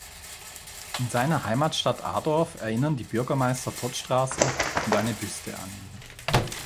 In seiner Heimatstadt Adorf erinnern die Bürgermeister-Todt-Straße und eine Büste an ihn.